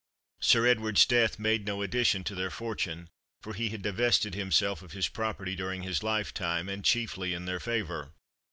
Sir Edward's death made no addition to their fortune, for he had divested himself of his property during his lifetime, and chiefly in their favour.